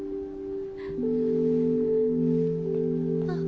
あっ。